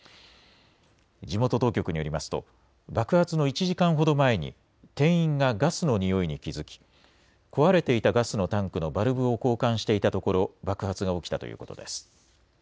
地元当局によりますと爆発の１時間ほど前に店員がガスのにおいに気付き壊れていたガスのタンクのバルブを交換していたところ爆発が起きたということです。